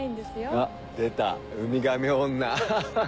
あっ出たウミガメ女ハハっ！